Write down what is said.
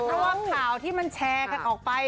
เพราะว่าข่าวที่มันแชร์กันออกไป